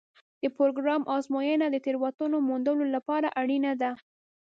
د پروګرام ازموینه د تېروتنو موندلو لپاره اړینه ده.